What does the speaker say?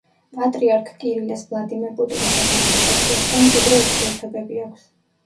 პატრიარქ კირილეს ვლადიმერ პუტინის ადმინისტრაციასთან მჭიდრო ურთიერთობები აქვს.